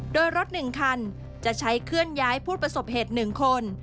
โดยรถ๑คันจะใช้เคลื่อนย้ายผู้ประสบเหตุ๑คน